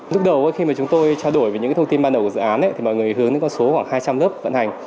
lúc đầu khi mà chúng tôi trao đổi về những thông tin ban đầu của dự án thì mọi người hướng đến con số khoảng hai trăm linh lớp vận hành